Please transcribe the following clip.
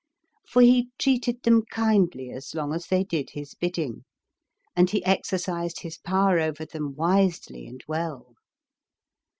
For he treated them kindly as long as they did his bid ding, and he exercised his power over them wisely and well.